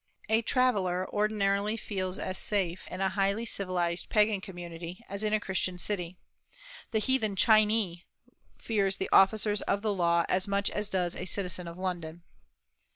A traveller ordinarily feels as safe in a highly civilized pagan community as in a Christian city. The "heathen Chinee" fears the officers of the law as much as does a citizen of London.